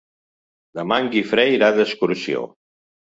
Demà en Guifré irà d'excursió.